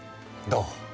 どう？